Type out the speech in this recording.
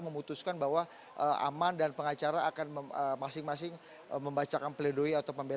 memutuskan bahwa aman dan pengacara akan masing masing membacakan pledoi atau pembelaan